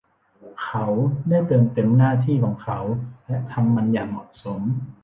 เขาได้เติมเต็มหน้าที่ของเขาและทำมันอย่างเหมาะสม